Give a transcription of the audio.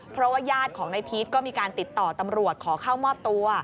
เพราะว่าญาติของนายพีชก็มีการติดต่อตำรวจขอเข้ามอบตัว